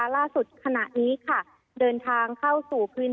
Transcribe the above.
ล่าสุดขณะนี้ค่ะเดินทางเข้าสู่พื้น